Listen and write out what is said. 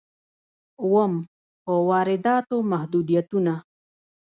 اووم: په وارداتو محدودیتونه.